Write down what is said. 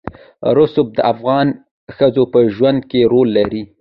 رسوب د افغان ښځو په ژوند کې رول لري.